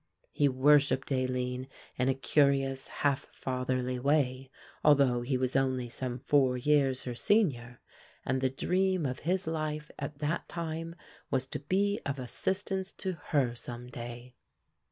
He worshipped Aline in a curious half fatherly way, although he was only some four years her senior, and the dream of his life at that time was to be of assistance to her some day.